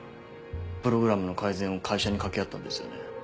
プログラムの改善を会社に掛け合ったんですよね？